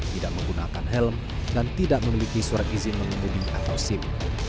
tidak menggunakan helm dan tidak memiliki surat izin mengemudi atau sim